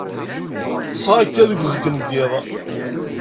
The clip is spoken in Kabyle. Ṭṭseɣ akka deg uzgen n yiḍ.